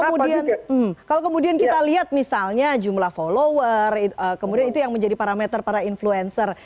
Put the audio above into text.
kemudian kalau kemudian kita lihat misalnya jumlah follower kemudian itu yang menjadi parameter para influencer